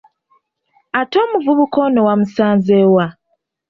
Ate omuvubuka ono wamusanze wa?